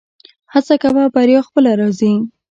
هڅه کوه بریا خپله راځي